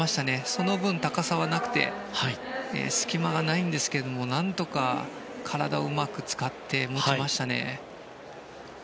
その分、高さはなくて隙間がないんですけれども何とか体をうまく使って持ちましたね。